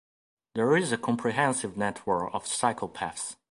There is a comprehensive network of cycle paths.